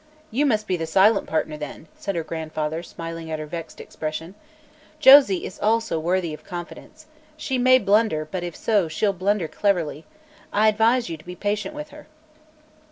"You must be the silent partner, then," said her grandfather, smiling at her vexed expression. "Josie is also worthy of confidence. She may blunder, but if so, she'll blunder cleverly. I advise you to be patient with her."